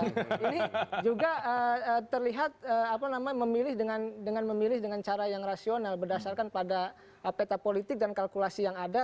ini juga terlihat dengan memilih dengan cara yang rasional berdasarkan pada peta politik dan kalkulasi yang ada